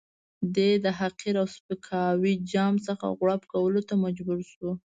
دی د تحقیر او سپکاوي جام څخه غوړپ کولو ته مجبور شو.